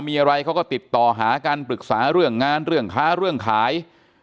มีอะไรเขาก็ติดต่อหากันปรึกษาเรื่องงานเรื่องค้าเรื่องขาย